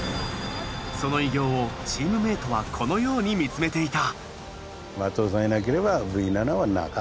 その偉業をチームメイトはこのように見つめていた。